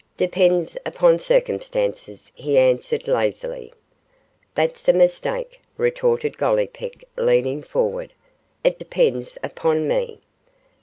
'Depends upon circumstances,' he answered, lazily. 'That's a mistake,' retorted Gollipeck, leaning forward; 'it depends upon me.